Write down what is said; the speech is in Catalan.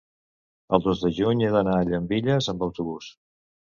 el dos de juny he d'anar a Llambilles amb autobús.